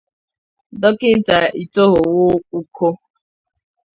Dọkịta Itohowo Uko